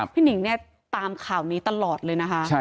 หนิงเนี่ยตามข่าวนี้ตลอดเลยนะคะ